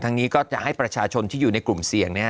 นี้ก็จะให้ประชาชนที่อยู่ในกลุ่มเสี่ยง